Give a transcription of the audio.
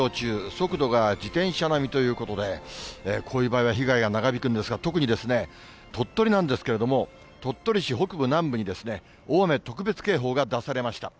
速度が自転車並みということで、こういう場合は被害が長引くんですが、特に鳥取なんですけれども、鳥取市北部、南部に、大雨特別警報が出されました。